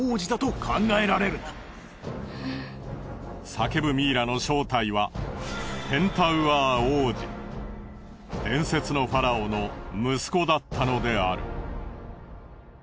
叫ぶミイラの正体は伝説のファラオの息子だったのである。